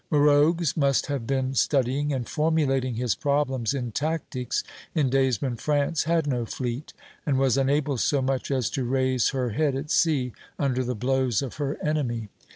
Morogues must have been studying and formulating his problems in tactics in days when France had no fleet, and was unable so much as to raise her head at sea under the blows of her enemy.